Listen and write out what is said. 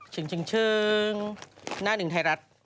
ึงหน้าหนึ่งไทยรัฐ